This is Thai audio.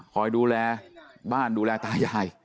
คอยดูแลบ้านดูแลตายาย